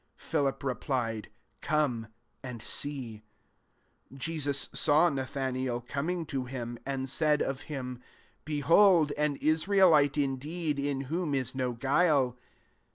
Philip replied, " Come and sec*" 47 Jesus saw Nathanael com ing to him, and said of him, <^ Behold an Israelite indeed, in whom is no guile."